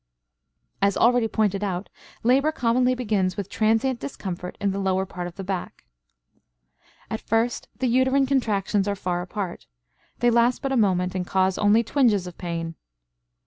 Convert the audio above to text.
As already pointed out, labor commonly begins with transient discomfort in the lower part of the back. At first the uterine contractions are far apart; they last but a moment and cause only twinges of pain.